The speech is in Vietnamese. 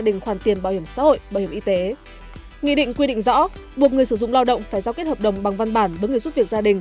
nghị định quy định rõ buộc người sử dụng lao động phải giao kết hợp đồng bằng văn bản với người giúp việc gia đình